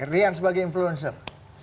rian sebagai influencer